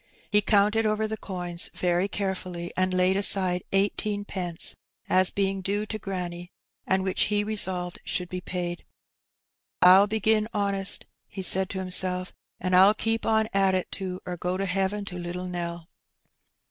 He counted over the coins very carefully, and laid aside eighteenpence as being due to granny, and which he resolved should be paid. ^'PU begin honest," he said to himself, ''an' Pll keep on at it too, or go to heaven to Httle Nell."